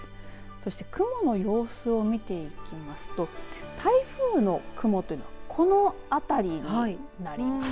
そして雲の様子を見ていきますと台風の雲というのはこのあたりになります。